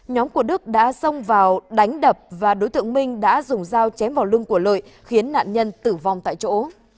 nhóm của đức đã xông vào đánh đập và đối tượng minh đã dùng dao chém vào lưng của lợi khiến nạn nhân tử vong tại chỗ